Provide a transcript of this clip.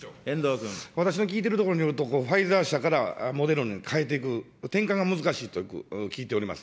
私の聞いてるところによると、ファイザー社からモデルナに変えていく、転換が難しいと聞いております。